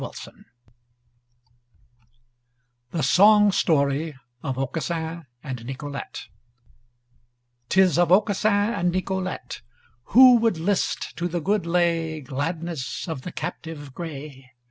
TOMSON THE SONG STORY OF AUCASSIN AND NICOLETE 'Tis of Aucassin and Nicolete. Who would list to the good lay Gladness of the captive grey?